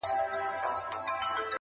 دلته شهیدي جنازې ښخېږي.!